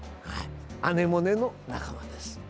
アネモネの仲間です。